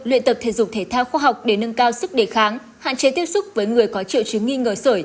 luyện tập thể dục thể thao khoa học để nâng cao sức đề kháng hạn chế tiếp xúc với người có triệu chứng nghi ngờ sởi